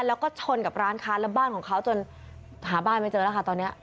แล้วก็ชนกับร้านค้าและบ้านของเขาจนหาบ้านไม่เจอแล้วค่ะตอนนี้